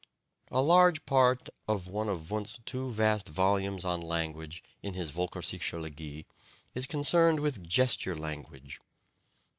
A large part of one of Wundt's two vast volumes on language in his "Volkerpsychologie" is concerned with gesture language.